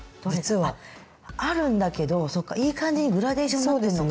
あっあるんだけどいい感じにグラデーションになってるのかな。